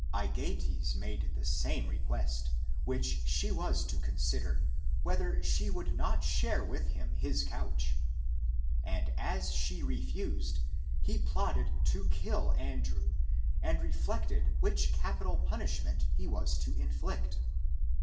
Ageates made the same request, which she was to consider, whether she would not share with him in his couch. And as she refused, he plotted to kill Andrew, and re flected which capital punishment he was to inflict.